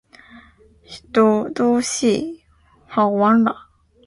都是预制歌，好完了！